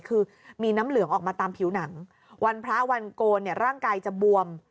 คือมีน้ำเหลืองออกมาตามผิวหนังวันพระวันโกนร่างกายจะบวม